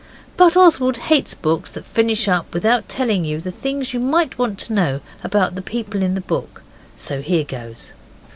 But Oswald hates books that finish up without telling you the things you might want to know about the people in the book. So here goes.